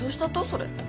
それ。